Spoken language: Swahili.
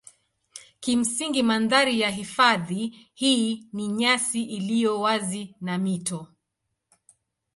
Kimsingi mandhari ya hifadhi hii ni nyasi iliyo wazi na mito.